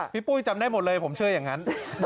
ปุ้ยจำได้หมดเลยผมเชื่ออย่างนั้น